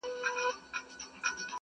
له ګرېوانه یې شلېدلي دُردانې وې٫